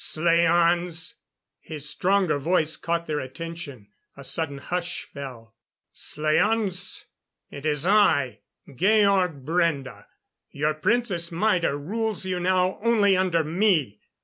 "Slaans " His stronger voice caught their attention. A sudden hush fell. "Slaans it is I, Georg Brende. Your Princess Maida rules you now only under me.